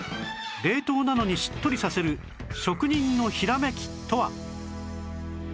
冷凍なのにしっとりさせる職人のひらめきとは！？